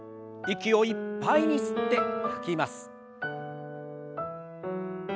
息をいっぱいに吸って吐きます。